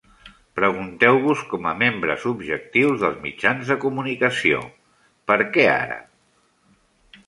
Pregunteu-vos, com a membres objectius dels mitjans de comunicació: "per què ara...?